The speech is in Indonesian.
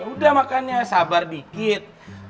ya udah makanya sabar dikit